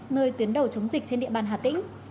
nơi tuyến đầu chống dịch trên địa bàn hà tĩnh